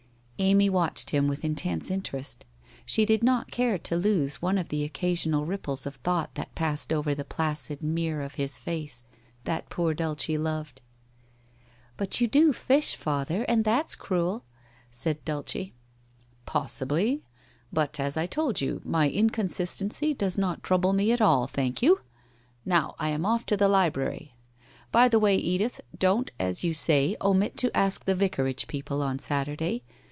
Amy watched him with intense interest; she did not care to lose one of the occasional ripples of thought that passed over the placid mere of his face, that poor Dulce loved. * But you do fish, father, and that's cruel ?' said Dulce. * Possibly. But as 1 told you, my inconsistency does not trouble me at all, thank you! Now I am off to the library. By the way, Edith, don't, as you say, omit to ask tli" Vicarage people on Saturday.